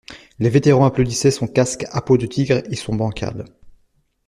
Les vétérans applaudissaient son casque à peau de tigre et son bancal.